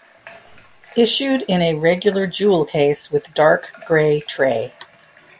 Issued in a regular jewel case with dark grey tray.